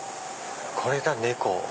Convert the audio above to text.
これだ猫。